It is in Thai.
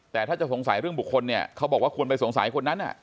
แต่ถ้าจะสงสัยเรื่องบุคคลเนี่ยเขาบอกว่าควรไปสงสัยคนนั้น